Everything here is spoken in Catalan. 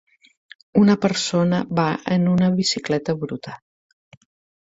Una persona va en una bicicleta bruta.